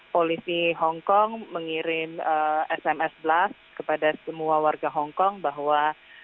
polisi hongkong mengirim sms blast kepada semua warga hongkong bahwa